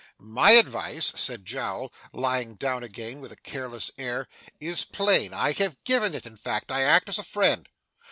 'My advice,' said Jowl, lying down again with a careless air, 'is plain I have given it, in fact. I act as a friend.